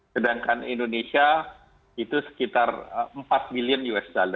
sedangkan indonesia itu sekitar empat billion usd